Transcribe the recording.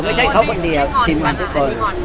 ไม่ใช่เขาคนเดียวทีมงานทุกคน